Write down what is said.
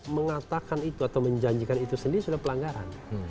mengatakan itu atau menjanjikan itu sendiri sudah pelanggaran